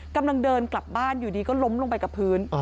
กำลังเดินกลับบ้านอยู่ดีก็ล้มลงไปกับพื้น